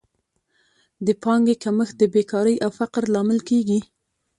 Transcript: د پانګې کمښت د بېکارۍ او فقر لامل کیږي.